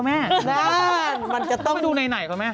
ไม่ใช่